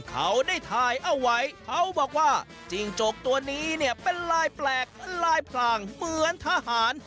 เขาได้ถ่ายเอาไว้เขาบอกว่าจิ้งจกตัวนี้เนี่ยเป็นลายแปลกลายพลางเหมือนทหาร